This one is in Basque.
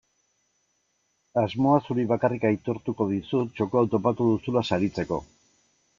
Asmoa zuri bakarrik aitortuko dizut txoko hau topatu duzula saritzeko.